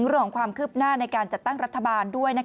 เรื่องของความคืบหน้าในการจัดตั้งรัฐบาลด้วย